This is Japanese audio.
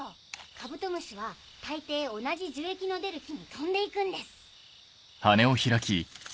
カブトムシはたいてい同じ樹液の出る木に飛んで行くんです。